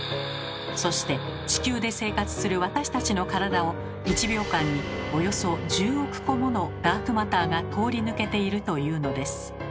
そして地球で生活する私たちの体を１秒間におよそ１０億個ものダークマターが通り抜けているというのです。